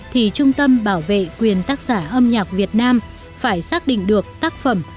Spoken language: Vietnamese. thì trung tâm bảo vệ quyền tác giả âm nhạc việt nam phải xác định được tác phẩm